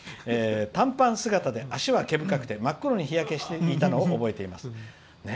「短パン姿で足は毛深くて真っ黒に日焼けしていたのを覚えています」。